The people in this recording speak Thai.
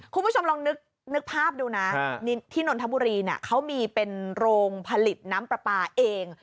คุณผู้ชมลองนึกภาพดูนะที่นนทบุรีเขามีเป็นโรงผลิตน้ำปลาปลาเอง